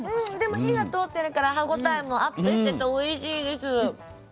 でも火が通ってるから歯応えもアップしてておいしいです。